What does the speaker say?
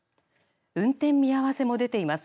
運転見合わせも出ています。